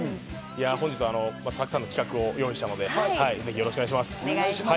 本日はたくさんの企画を用意したので、ぜひよろしくお願いします。